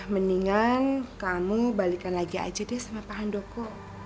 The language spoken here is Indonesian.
mendingan kamu balikan lagi aja deh sama pak handoko